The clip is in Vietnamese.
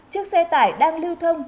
chiếc xe tải đang lưu thông